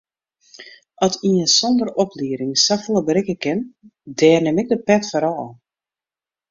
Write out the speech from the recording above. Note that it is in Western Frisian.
At ien sonder oplieding safolle berikke kin, dêr nim ik de pet foar ôf.